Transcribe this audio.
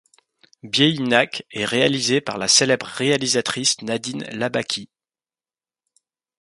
Bieinak est réalisé par la célèbre réalisatrice Nadine Labaki.